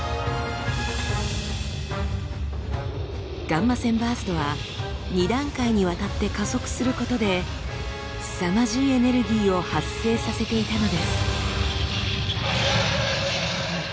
ガンマ線バーストは２段階にわたって加速することですさまじいエネルギーを発生させていたのです。